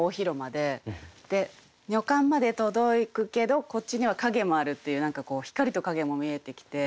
で女官まで届くけどこっちには陰もあるっていう何か光と陰も見えてきて。